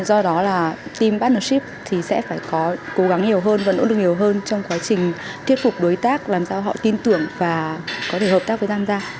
do đó là team partnership thì sẽ phải có cố gắng nhiều hơn vận ứng được nhiều hơn trong quá trình thiết phục đối tác làm sao họ tin tưởng và có thể hợp tác với zamza